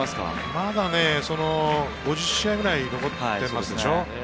まだ５０試合くらい残っていますでしょ？